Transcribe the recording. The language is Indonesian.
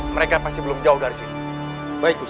mereka pasti belum jauh dari sini